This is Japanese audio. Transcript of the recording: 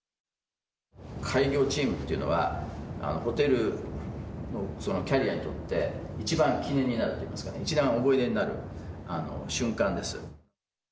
開業チームっていうのは、ホテルのキャリアにとって、一番記念になるといいますか、一番思い出になる瞬間です。